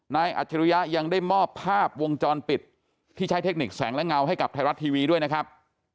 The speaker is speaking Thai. อัจฉริยะยังได้มอบภาพวงจรปิดที่ใช้เทคนิคแสงและเงาให้กับไทยรัฐทีวีด้วยนะครับ